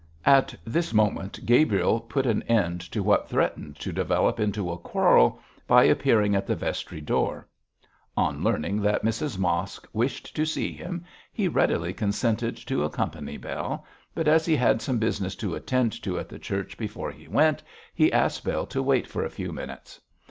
At this moment Gabriel put an end to what threatened to develop into a quarrel by appearing at the vestry door. On learning that Mrs Mosk wished to see him, he readily consented to accompany Bell, but as he had some business to attend to at the church before he went, he asked Bell to wait for a few minutes.